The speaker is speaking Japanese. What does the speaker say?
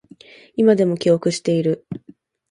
今でも記憶している